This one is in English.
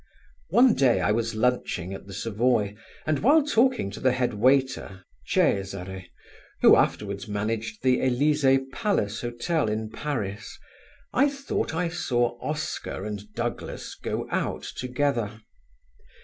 One day I was lunching at the Savoy, and while talking to the head waiter, Cesari, who afterwards managed the Elysée Palace Hotel in Paris, I thought I saw Oscar and Douglas go out together.